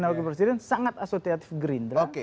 dan wakil presiden sangat asosiatif gerindra